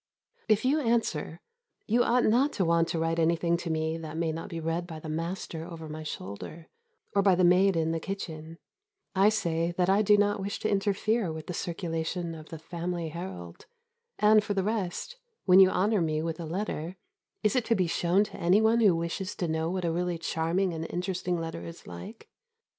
If you answer, "You ought not to want to write anything to me that may not be read by the master over my shoulder, or by the maid in the kitchen," I say that I do not wish to interfere with the circulation of the Family Herald; and, for the rest, when you honour me with a letter, is it to be shown to any one who wishes to know what a really charming and interesting letter is like?